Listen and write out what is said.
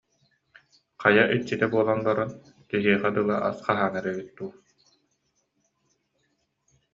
«Хайа иччитэ» буолан баран, киһиэхэ дылы ас хаһаанар эбит дуу»